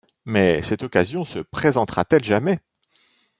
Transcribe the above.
Mais cette occasion se présentera-t-elle jamais ?